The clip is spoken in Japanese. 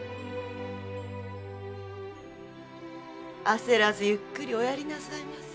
焦らずゆっくりおやりなさいませ。